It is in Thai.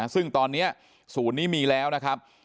ซึ่งตอนนี้ศูนย์นี้มีแล้วนะครับ